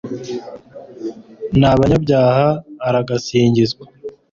n'abanyabyaha, aragasingizwa